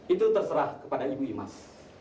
itu terserah kepada ibu imas